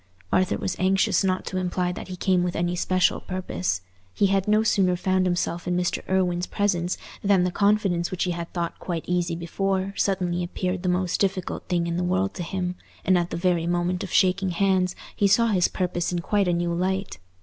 Arthur was anxious not to imply that he came with any special purpose. He had no sooner found himself in Mr. Irwine's presence than the confidence which he had thought quite easy before, suddenly appeared the most difficult thing in the world to him, and at the very moment of shaking hands he saw his purpose in quite a new light.